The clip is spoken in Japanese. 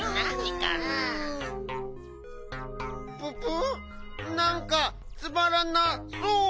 ププなんかつまらなそう！